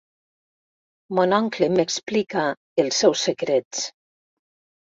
Mon oncle m'explica els seus secrets.